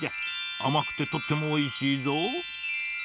あまくてとってもおいしいぞ。